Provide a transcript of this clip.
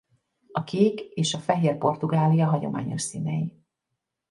A kék és a fehér Portugália hagyományos színei.